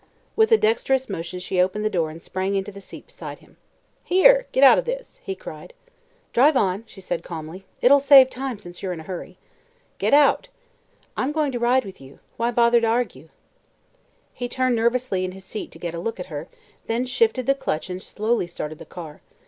With a dexterous motion she opened the door and sprang into the seat beside him. "Here! Get out of this," he cried. "Drive on," she said calmly. "It'll save time, since you're in a hurry." "Get out!" "I'm going to ride with you. Why bother to argue?" He turned nervously in his seat to get a look at her, then shifted the clutch and slowly started the car.